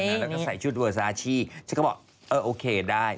แล้วก็ใส่ชุดเวอร์ซาชี่ฉันก็บอกเออโอเคได้